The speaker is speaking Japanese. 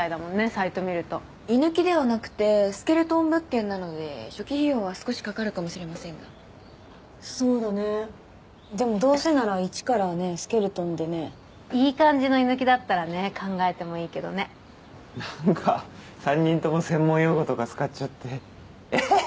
サイト見ると居抜きではなくてスケルトン物件なので初期費用は少しかかるかもしれませんがそうだねでもどうせなら一からねっスケルトンでねいい感じの居抜きだったらね考えてもいいけどねなんか３人共専門用語とか使っちゃってええー